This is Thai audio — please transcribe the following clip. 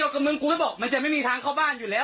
ก็มึงกูไม่บอกมันจะไม่มีทางเข้าบ้านอยู่แล้ว